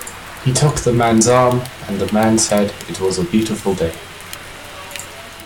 He took the man's arm, and the man said it was a beautiful day.